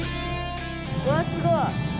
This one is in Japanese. うわっすごい。